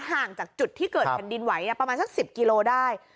ห่างจากจุดที่เกิดแผ่นดินไหวประมาณสัก๑๐กิโลได้